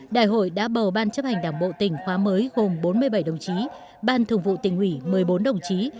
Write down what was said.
đại hội đã bầu ban chấp hành đảng bộ tỉnh khóa mới gồm bốn mươi bảy đồng chí ban thường vụ tỉnh ủy một mươi bốn đồng chí